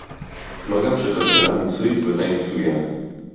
מה גם שהכלכלה המצרית ודאי נפגעה